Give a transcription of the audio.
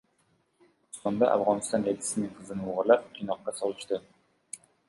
Pokistonda Afg‘oniston elchisining qizini o‘g‘irlab, qiynoqqa solishdi